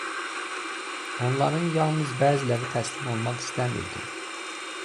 Onların yalnız bəziləri təslim olmaq istəmirdi.